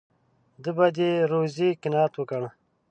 ده په دې روزي قناعت وکړ.